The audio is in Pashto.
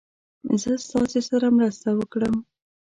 زه ستاسې سره مرسته وکړم.